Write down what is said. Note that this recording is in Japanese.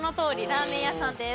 ラーメン屋さんです。